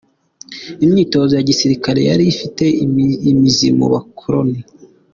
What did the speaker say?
Imyitozo ya gisirikare yari ifite imizi mu bakoloni.